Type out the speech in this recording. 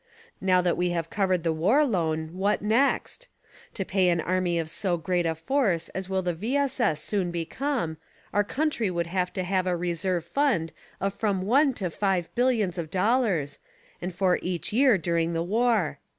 Now that we have covered the war loan— what next? To pay an army of so great a force as will the V. S. S. soon become, our country would have to have a reserve fund of from ONE to FIVE BILLIONS of dollars, and for each year during the WAR.